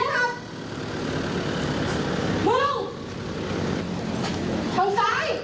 นี่ละครับ